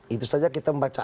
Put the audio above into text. itu saja kita membaca